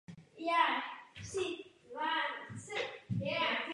Chce se totiž vyhnout nadměrné nebo nežádoucí pozornosti.